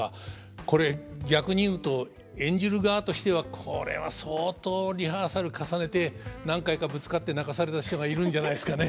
これ逆に言うと演じる側としてはこれは相当リハーサル重ねて何回かぶつかって泣かされた人がいるんじゃないですかね。